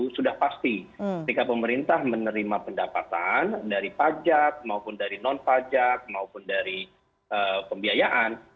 sudah pasti ketika pemerintah menerima pendapatan dari pajak maupun dari non pajak maupun dari pembiayaan